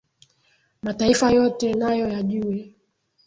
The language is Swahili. Mataifa yote nayo yajue.